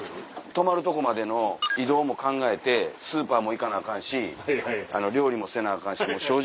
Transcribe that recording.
泊まるとこまでの移動も考えてスーパーも行かなアカンし料理もせなアカンし正直。